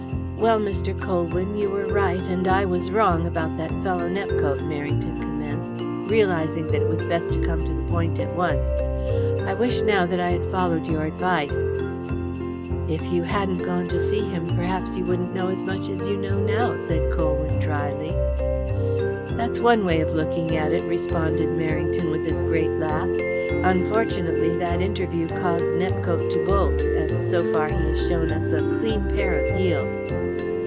"Well, Mr. Colwyn, you were right and I was wrong about that fellow Nepcote," Merrington commenced, realizing that it was best to come to the point at once. "I wish now that I had followed your advice." "If you hadn't gone to see him perhaps you wouldn't know as much as you know now," said Colwyn drily. "That's one way of looking at it," responded Merrington with his great laugh. "Unfortunately, that interview caused Nepcote to bolt, and so far he has shown us a clean pair of heels."